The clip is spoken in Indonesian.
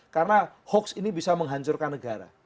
karena hoax ini bisa menghancurkan negara